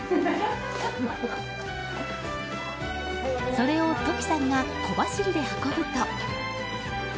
それをトキさんが小走りで運ぶと。